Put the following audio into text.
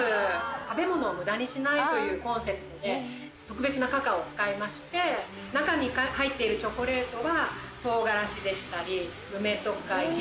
食べ物を無駄にしないというコンセプトで特別なカカオを使いまして中に入ってるチョコレートは。